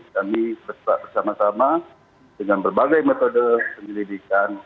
kami bersama sama dengan berbagai metode penyelidikan